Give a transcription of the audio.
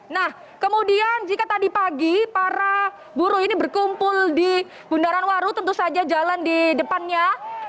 nah kemudian jika tadi pagi para buruh ini berkumpul di bundaran waru tentu saja jalan di depannya